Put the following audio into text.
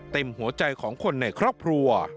เต็มหัวใจของคนในครอบครัว